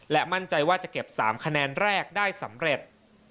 มั่นใจว่าจะเก็บ๓คะแนนแรกได้สำเร็จ